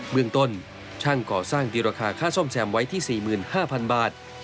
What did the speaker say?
เมืองต้นช่างก่อสร้างตีราคาค่าซ่อมแซมไว้ที่๔๕๐๐๐บาท